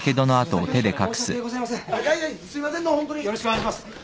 よろしくお願いします。